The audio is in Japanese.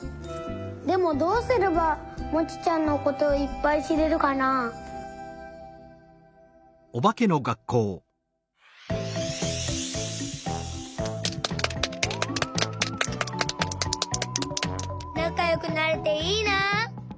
「でもどうすればモチちゃんのことをいっぱいしれるかなあ」。なかよくなれていいな。